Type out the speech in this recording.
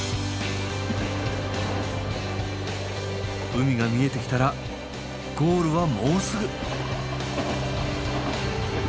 海が見えてきたらゴールはもうすぐ。